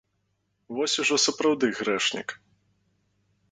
Вось ужо сапраўды грэшнік!